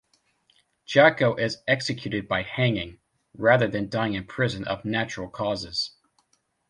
Jacko is executed by hanging, rather than dying in prison of natural causes.